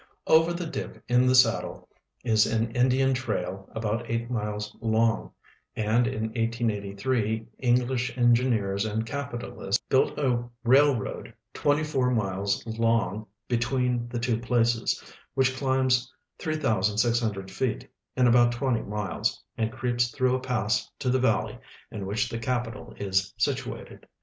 Over the dip in the saddle is an Indian trail about eight miles long, and in 1883 English engineers and capitalists l)uilt a railroad twenty four miles long between the two ])laces, which climbs 3,600 feet in about twenty miles, and cree])S through a pass to the valley in which the ca})ital is situated.